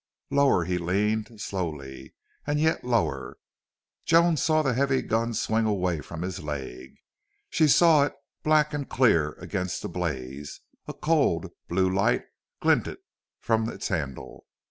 Lower he leaned slowly and yet lower. Joan saw the heavy gun swing away from his leg; she saw it black and clear against the blaze; a cold, blue light glinted from its handle.